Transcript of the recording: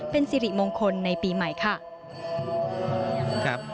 เป็นสิริมงคลในปีใหม่ค่ะ